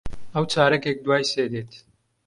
ئەو چارەکێک دوای سێ دێت.